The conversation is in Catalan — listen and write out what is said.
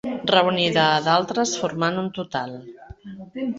Reunida a d'altres formant un total.